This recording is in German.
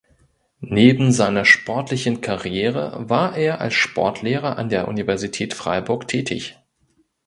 Neben seiner sportlichen Karriere war er als Sportlehrer an der Universität Freiburg tätig.